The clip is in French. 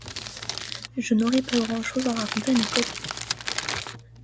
Je n'aurai pas grand chose à raconter à mes collègues.